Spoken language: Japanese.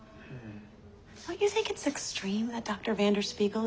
うん。